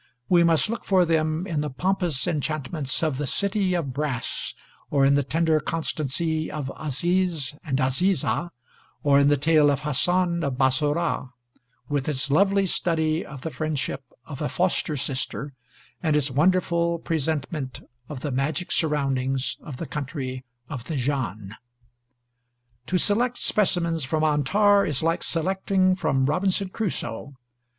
We must look for them in the pompous enchantments of the City of Brass, or in the tender constancy of Aziz and Azizah, or in the tale of Hasan of Bassorah, with its lovely study of the friendship of a foster sister, and its wonderful presentment of the magic surroundings of the country of the Jann. To select specimens from 'Antar' is like selecting from 'Robinson Crusoe.'